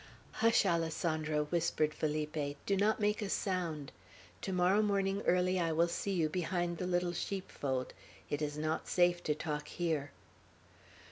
"Hush, Alessandro," whispered Felipe. "Do not make a sound. To morrow morning early I will see you, behind the little sheepfold. It is not safe to talk here."